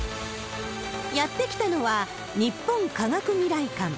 やって来たのは、日本科学未来館。